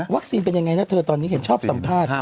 วัคซีนเป็นยังไงนะเธอตอนนี้ชอบสัมภาษณ์